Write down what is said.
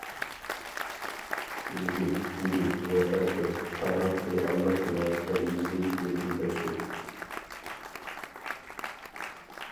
تۈنۈگۈن، بۈگۈن ۋە ئەتە، تارىخ، رېئاللىق ۋە كەلگۈسى يىلتىزداشتۇر.